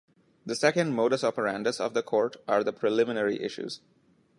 The second modus operandus of the court are the preliminary issues.